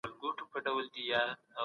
د منځنۍ لاري پلويان کم دي.